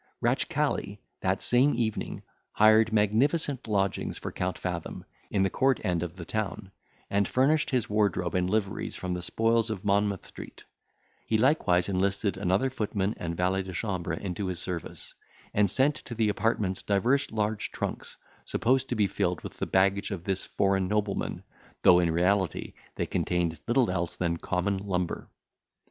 Ratchcali, that same evening, hired magnificent lodgings for Count Fathom, in the court end of the town, and furnished his wardrobe and liveries from the spoils of Monmouth Street; he likewise enlisted another footman and valet de chambre into his service, and sent to the apartments divers large trunks, supposed to be filled with the baggage of this foreign nobleman, though, in reality, they contained little else than common lumber.